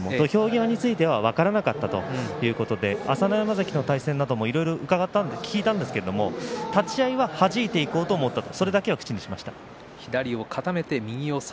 今の相撲敗れた琴恵光ですが土俵際については分からなかったということで朝乃山関の対戦などもいろいろ聞いたんですけれども立ち合いははじいていこうと思ったそれだけは口にしていました。